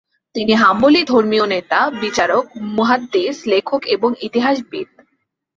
তিনি হাম্বলি ধর্মীয় নেতা, বিচারক, মুহাদ্দিস, লেখক এবং ইতিহাসবিদ।